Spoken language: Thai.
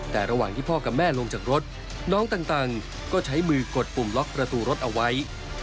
แต่ระหว่างที่พ่อกับแม่ลงจากรถน้องต่างก็ใช้มือกดปุ่มล็อกประตูรถเอาไว้